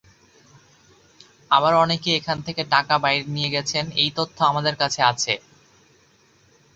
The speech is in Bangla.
আবার অনেকে এখান থেকে টাকা বাইরে নিয়ে গেছেন—এই তথ্য আমাদের কাছে আছে।